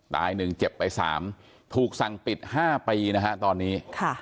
๑เจ็บไป๓ถูกสั่งปิด๕ปีนะฮะตอนนี้